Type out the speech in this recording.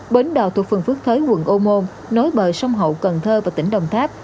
bến đò thuộc phường phước thới quận ô môn nối bờ sông hậu cần thơ và tỉnh đồng tháp